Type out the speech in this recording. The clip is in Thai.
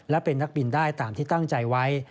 และเป็นนักบินได้ตามที่ตั้งใจไว้